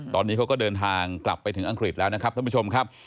ตอนนี้เขาก็เดินทางกลับไปถึงอังกฤษแล้วนะครับท่านผู้ชมครับ